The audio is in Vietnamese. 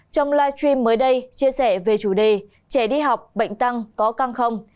trong live stream mới đây chia sẻ về chủ đề trẻ đi học bệnh tăng có căng không